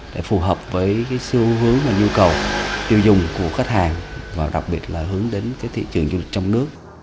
đối với nhu cầu tiêu dùng của khách hàng và đặc biệt là hướng đến thị trường du lịch trong nước